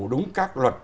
đúng các luật